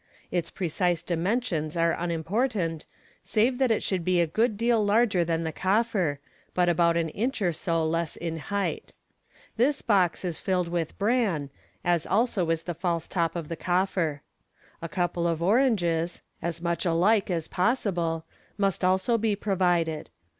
Its precise dimensions are unimpor tant, save that it should be a good deal larger than the coffer, but about an inch or so less in height. This box is filled with bran, as also is the false top of the coffer. A couple of oranges, as mucn alike as possible, must also be provided.